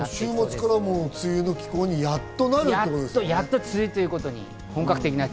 週末からやっと梅雨の気候になるということですね。